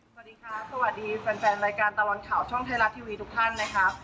สวัสดีค่ะสวัสดีแฟนแฟนรายการตลอดข่าวช่องไทยรัฐทีวีทุกท่านนะครับ